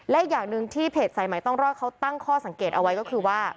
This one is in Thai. และอีกอย่างหนึ่งที่เพจสายใหม่ต้องรอดเขาตั้งข้อสังเกตเอาไว้ก็คือว่า